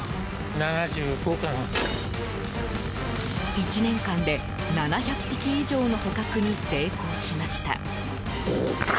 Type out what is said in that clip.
１年間で７００匹以上の捕獲に成功しました。